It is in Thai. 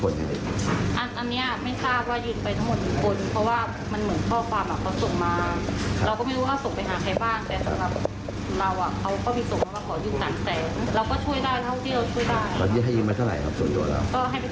แล้วที่ให้ยิงมาเท่าไหร่ครับส่วนตัวเรา